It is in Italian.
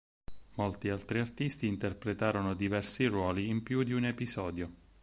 Molti altri artisti interpretarono diversi ruoli in più di un episodio.